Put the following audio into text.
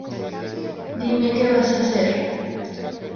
Dime Que Vas A Hacer?